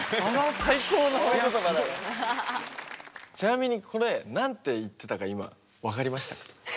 ちなみにこれ何て言ってたか今分かりました？